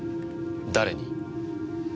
誰に？